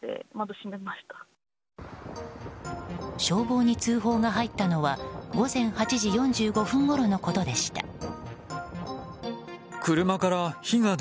消防に通報が入ったのは午前８時４５分ごろのことでした。